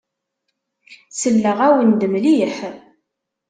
Selleɣ-awen-d mliḥ.